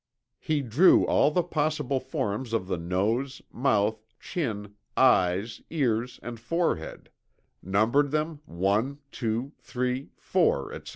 He drew all the possible forms of the nose, mouth, chin, eyes, ears and forehead, numbered them 1, 2, 3, 4, etc.